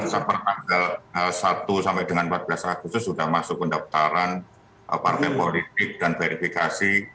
sepertanggal satu sampai dengan empat belas agustus sudah masuk pendaftaran partai politik dan verifikasi